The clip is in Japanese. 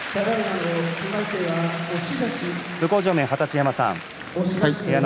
向正面、二十山さん